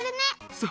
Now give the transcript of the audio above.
そう！